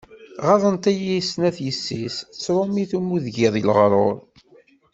Ɣaḍent-iyi snat yessi-s, d trumit mu d-giḍ leɣrur.